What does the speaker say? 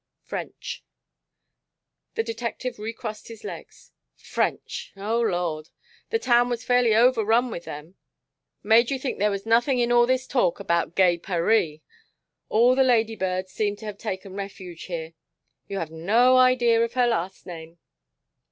"French." The detective recrossed his legs. "French. Oh, Lord! The town was fairly overrun with them. Made you think there was nothing in all this talk about gay Paree. All the ladybirds seemed to have taken refuge here. You have no idea of her last name!"